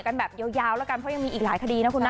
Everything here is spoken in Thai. กันแบบยาวแล้วกันเพราะยังมีอีกหลายคดีนะคุณนะ